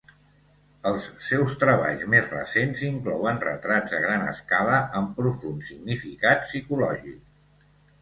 Els seus treballs més recents inclouen retrats a gran escala amb profund significat psicològic.